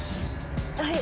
はい。